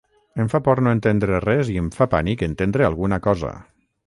Em fa por no entendre res i em fa pànic entendre alguna cosa.